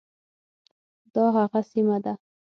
دا هغه سیمه ده.